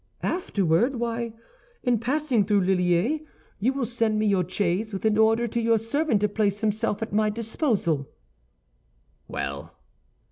"Afterward? Why, in passing through Lilliers you will send me your chaise, with an order to your servant to place himself at my disposal." "Well."